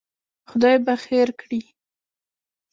خدای به خیر کړي.